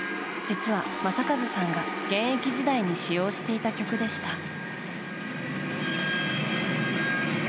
実は、正和さんが現役時代に使用していた曲でした。